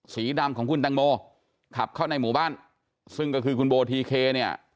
สีดำของคุณตังโมขับเข้าในหมู่บ้านซึ่งก็คือคุณโบทีเคเนี่ย